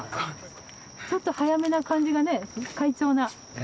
ちょっと速めな感じがね、快調な。